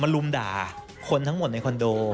ลุมด่าคนทั้งหมดในคอนโด